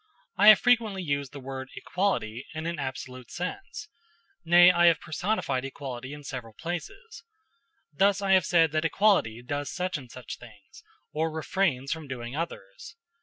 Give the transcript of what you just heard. I have frequently used the word "equality" in an absolute sense nay, I have personified equality in several places; thus I have said that equality does such and such things, or refrains from doing others.